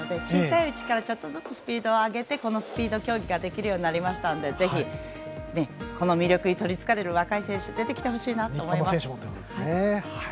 小さいうちからちょっとずつスピードを上げてこのスピード競技ができるようになりましたのでぜひこの魅力にとりつかれる若い選手が出てきてほしいと思います。